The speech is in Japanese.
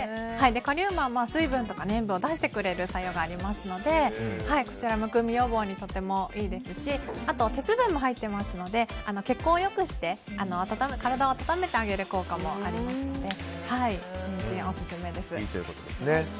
カリウムは水分とか塩分を出してくれる作用があるのでむくみ予防にとてもいいですしあとは鉄分も入っているので血行を良くして体を温めてくれる効果もあるのでオススメです。